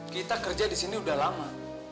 kita kerja di sini udah lama